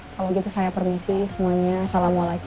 kalau gitu saya permisi semuanya assalamualaikum